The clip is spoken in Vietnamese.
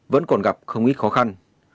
vẫn còn gặp không ít khó khăn